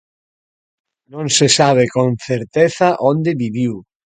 Non se sabe con certeza onde viviu.